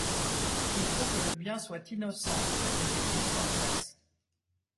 Il faut que le bien soit innocent, répétait-il sans cesse.